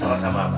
salam sama allah